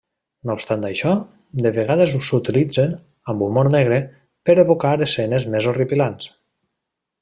No obstant això, de vegades s'utilitzen, amb humor negre, per evocar escenes més horripilants.